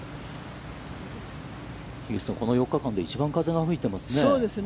樋口さん、この４日間で一番風が吹いていますね。